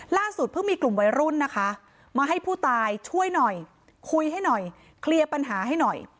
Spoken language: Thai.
เพิ่งมีกลุ่มวัยรุ่นนะคะมาให้ผู้ตายช่วยหน่อยคุยให้หน่อยเคลียร์ปัญหาให้หน่อย